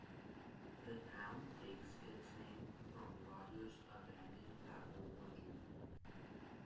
The town takes its name from Rogers' abandoned apple orchard.